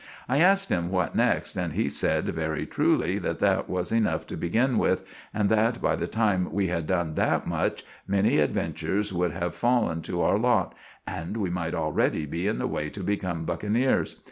I asked him what next, and he sed, very truly, that that was enuff to begin with, and that by the time we had done that much manny adventures would have fallen to our lot, and we might alredy be in the way to become buckeneers.